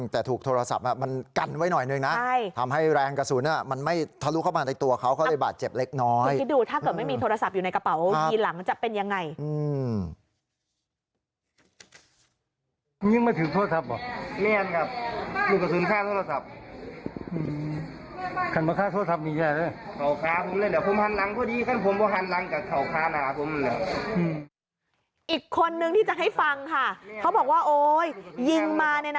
แต่ถูกโทรศัพท์มันกันไว้หน่อยนึงนะทำให้แรงกระสุนมันไม่ทะลุเข้ามาในตัวเขาเขาเลยบาดเจ็บเล็กน้อยคิดดูถ้าเกิดไม่มีโทรศัพท์อยู่ในกระเป๋าทีหลังจะเป็นยังไง